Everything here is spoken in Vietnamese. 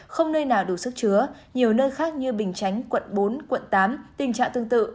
không nơi nào đủ sức chứa nhiều nơi khác như bình chánh quận bốn quận tám tình trạng tương tự